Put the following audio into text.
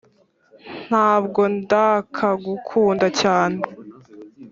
ntabwo ndakgukunda cyane